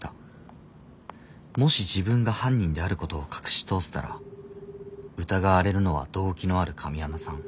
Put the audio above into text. もし自分が犯人であることを隠し通せたら疑われるのは動機のある神山さん。